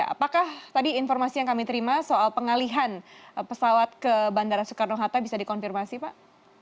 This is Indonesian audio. apakah tadi informasi yang kami terima soal pengalihan pesawat ke bandara soekarno hatta bisa dikonfirmasi pak